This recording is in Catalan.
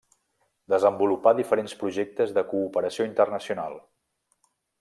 Desenvolupà diferents projectes de cooperació internacional.